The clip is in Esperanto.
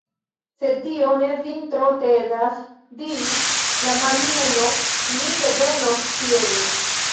Se tio ne vin tro tedas, diris la maljunulo, ni revenos piede.